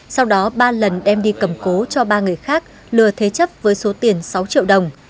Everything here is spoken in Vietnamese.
sau đó ba lần đem đi cầm cố cho ba người khác lừa thế chấp với số tiền sáu triệu đồng